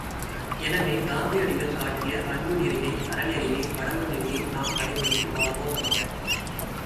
எனவே, காந்தியடிகள் காட்டிய அன்பு நெறியை அறநெறியை கடவுள் நெறியை நாம் கடைப்பிடித்து வாழ்வோமாக!